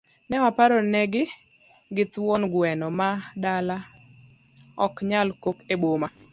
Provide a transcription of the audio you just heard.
Ne waparo negi, ni thuon gweno ma dala, ok nyal kok e boma.